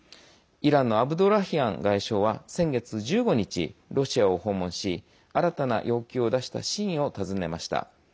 イランのアブドラヒアン外相は先月１５日、ロシアを訪問し新たな要求を出した真意を尋ねました。